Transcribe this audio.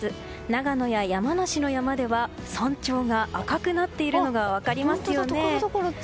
長野や山梨の山では山頂が赤くなっているのが分かりますよね。